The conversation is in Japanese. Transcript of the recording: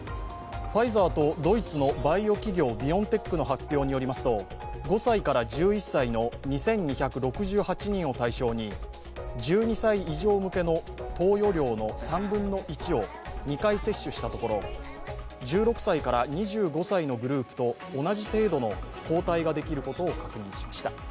ファイザーとドイツのバイオ企業ビオンテックの発表によりますと５歳から１１歳の２２６８人を対象に１２歳以上向けの投与量の３分の１を２回接種したところ１６歳から２５歳のグループと同じ程度の抗体ができることを確認しました。